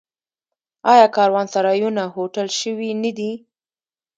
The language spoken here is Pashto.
آیا کاروانسرایونه هوټل شوي نه دي؟